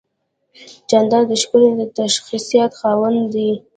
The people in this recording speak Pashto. جانداد د ښکلي شخصیت خاوند دی.